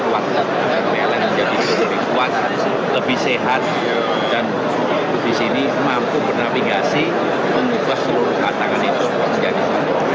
mereka akan menjadi lebih kuat lebih sehat dan di sini mampu bernabigasi mengubah seluruh tantangan itu